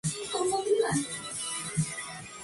Álvarez, y luego luchar contra el ganador.